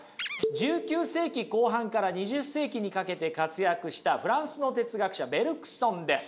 １９世紀後半から２０世紀にかけて活躍したフランスの哲学者ベルクソンです。